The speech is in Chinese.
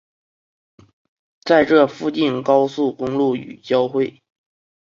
在这附近高速公路与交汇。